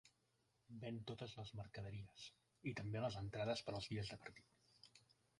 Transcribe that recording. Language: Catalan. Ven totes les mercaderies, i també les entrades per als dies de partit.